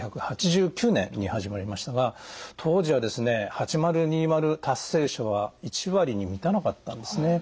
１９８９年に始まりましたが当時はですね８０２０達成者は１割に満たなかったんですね。